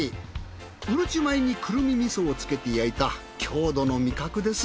うるち米にくるみ味噌をつけて焼いた郷土の味覚です。